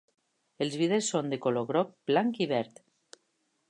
Els vidres són de color groc, blanc i verd.